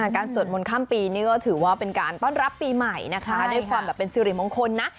สวดมนต์ข้ามปีนี่ก็ถือว่าเป็นการต้อนรับปีใหม่นะคะด้วยความแบบเป็นสิริมงคลนะ